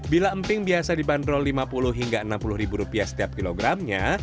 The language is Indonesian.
bila emping biasa dibanderol lima puluh hingga enam puluh ribu rupiah setiap kilogramnya